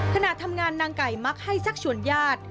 ขณะทำงานนางไก่มักให้ชักชวนญาติ